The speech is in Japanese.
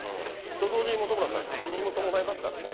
と同時に本村さん、責任も伴いますからね。